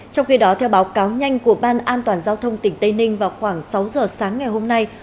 trong khi đó theo báo cáo nhanh của ban an toàn giao thông tỉnh tây ninh vào khoảng sáu giờ sáng ngày hôm nay